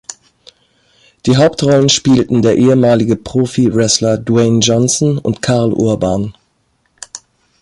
Die Hauptrollen spielten der ehemalige Profi-Wrestler Dwayne Johnson und Karl Urban.